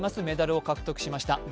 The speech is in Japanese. メダルを獲得しました。